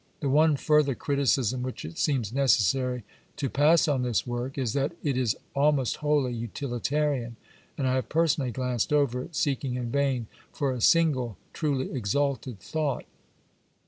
The one further criticism which it seems necessary to pass on this work, is that it is almost wholly utilitarian, and I have personally glanced over it, seeking in vain for a single truly exalted thought.